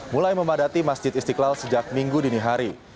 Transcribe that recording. mulai memadati masjid istiqlal sejak minggu dini hari